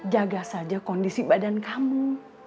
jaga saja kondisi badan kamu